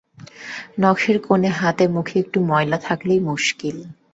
নখের কোণে, হাতে, মুখে একটু ময়লা থাকলেই মুশকিল।